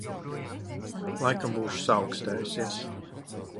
Laikam būšu saaukstējusies.